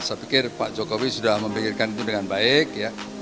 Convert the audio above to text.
saya pikir pak jokowi sudah memikirkan itu dengan baik ya